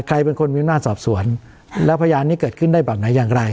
ใครเป็นคนมีอำนาจสอบสวนแล้วพยานนี้เกิดขึ้นได้แบบไหนอย่างไร